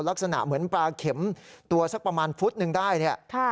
ลักษณะเหมือนปลาเข็มตัวสักประมาณฟุตหนึ่งได้เนี่ย